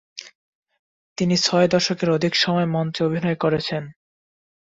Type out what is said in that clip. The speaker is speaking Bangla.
তিনি ছয় দশকের অধিক সময় মঞ্চে অভিনয় করেছেন।